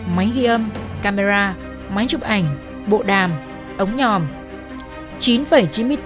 máy ghi âm camera máy chụp ảnh bộ đàm ống nhòm